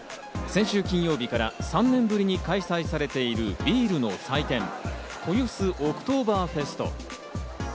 先週金曜日から３年ぶりに開催されているビールの祭典・豊洲オクトーバーフェスト。